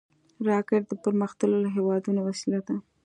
راکټ د پرمختللو هېوادونو وسیله ده